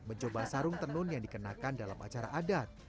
mencoba sarung tenun yang dikenakan dalam acara adat